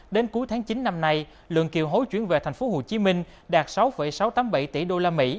đến cuối tháng chín năm nay lượng kiều hối chuyển về tp hcm đạt sáu sáu trăm tám mươi bảy tỷ usd